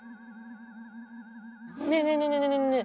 ・ねえねえねえねえ！